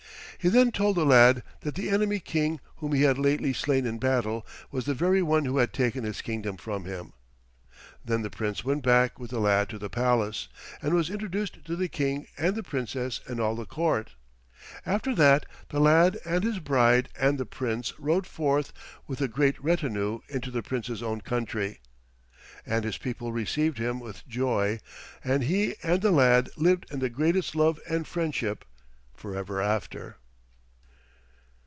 He then told the lad that the enemy King whom he had lately slain in battle was the very one who had taken his kingdom from him. Then the Prince went back with the lad to the palace, and was introduced to the King and the Princess and all the court. After that the lad and his bride and the Prince rode forth with a great retinue into the Prince's own country, and his people received him with joy, and he and the lad lived in the greatest love and friendship forever after.